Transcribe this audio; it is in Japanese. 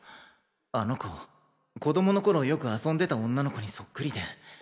あの子子どもの頃よく遊んでた女の子にそっくりで。